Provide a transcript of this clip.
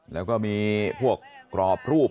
แล้วก็มีพวกกรอบรูป